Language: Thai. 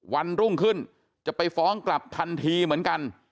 วันรุ่งขึ้นจะไปฟ้องกลับทันทีเหมือนกัน